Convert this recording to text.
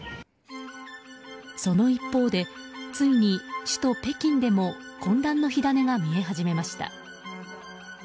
その一方でついに首都・北京でも混乱の火種が見え始めました。